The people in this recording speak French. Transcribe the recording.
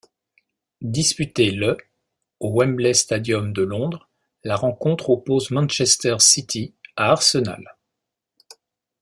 Disputée le au Wembley Stadium de Londres, la rencontre oppose Manchester City à Arsenal.